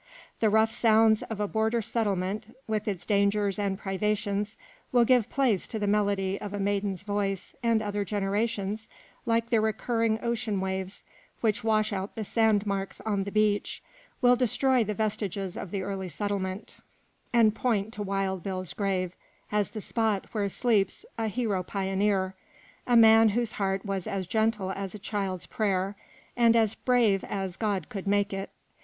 The rough sounds of a border settlement, with its dangers and privations, will give place to the melody of a maiden's voice, and other generations, like the recurring ocean waves which wash out the sand marks on the beach, will destroy the vestiges of the early settlement, and point to Wild Bill's grave as the spot where sleeps a hero pioneer a man whose heart was as gentle as a child's prayer, and as brave as God could make it.